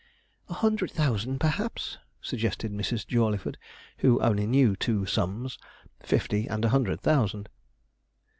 'A hundred thousand, perhaps,' suggested Mrs. Jawleyford, who only knew two sums fifty and a hundred thousand.